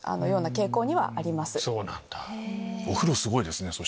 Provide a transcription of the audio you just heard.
お風呂すごいですね。